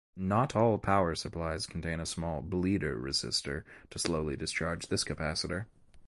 Not all power supplies contain a small "bleeder" resistor to slowly discharge this capacitor.